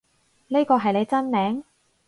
呢個係你真名？